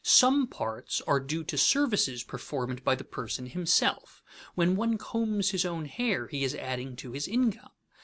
Some parts are due to services performed by the person himself. When one combs his own hair he is adding to his income.